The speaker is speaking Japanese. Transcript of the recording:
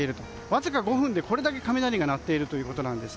わずか５分でこれだけ雷が鳴っているということです。